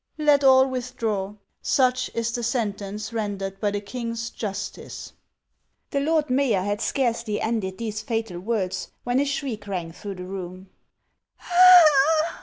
Let all withdraw. Such is the sentence rendered by the king's justice." The lord mayor had scarcely ended these fatal words, when a shriek rang through the room.